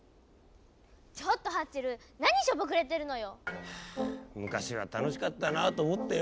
ちょっとハッチェルなにしょぼくれてるのよ！はあ昔は楽しかったなぁと思ってよ。